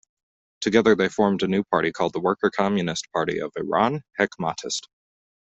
Together they formed a new party called the Worker-Communist Party of Iran-Hekmatist.